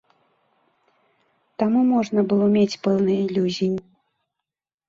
Таму можна было мець пэўныя ілюзіі.